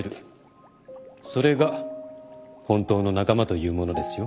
それが本当の仲間というものですよ。